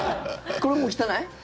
これ、もう汚い？